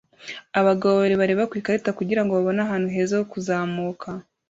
Abagabo babiri bareba ku ikarita kugirango babone ahantu heza ho kuzamuka